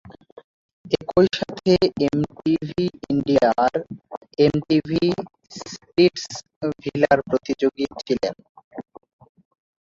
একই সাথে এমটিভি ইন্ডিয়ার "এমটিভি স্প্লিটসভিলা"র প্রতিযোগী ছিলেন।